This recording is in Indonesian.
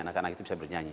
anak anak itu bisa bernyanyi